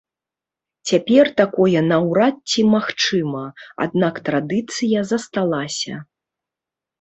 Цяпер такое наўрад ці магчыма, аднак традыцыя засталася.